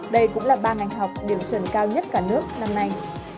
đây cũng là ba ngành học điểm chuẩn cao nhất cả nước năm nay